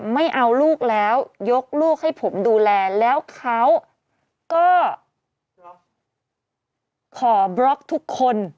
ไม่เอาลูกแล้วยกลูกให้ผมดูแลแล้วเขาก็ขอบล็อกทุกคน